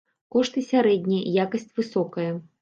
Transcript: Кошты сярэднія, якасць высокая.